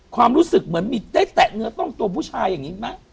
ความรู้สึกเหมือนมีได้แตะเนื้อต้องตัวผู้ชายอย่างนี้ไหม